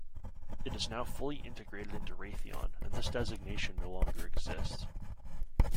It is now fully integrated into Raytheon and this designation no longer exists.